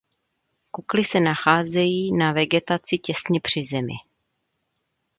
Kukly se nachází na vegetaci těsně při zemi.